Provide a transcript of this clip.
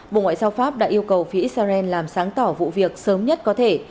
bộ ngoại giao pháp đã yêu cầu phía israel làm sáng tỏ vụ việc sớm nhất có thể